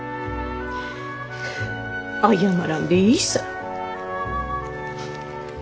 謝らんでいいさぁ。